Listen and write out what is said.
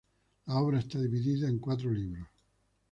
La obra está dividida en cuatro libros.